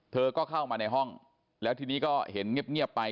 เธอก็เข้ามาในห้องแล้วทีนี้ก็เห็นเงียบไป